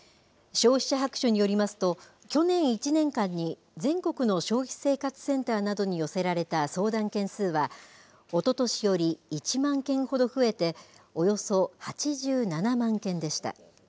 消費者白書によりますと、去年１年間に全国の消費生活センターなどに寄せられた相談件数は、おととしより１万件ほど増えて、およそ８７万件でした。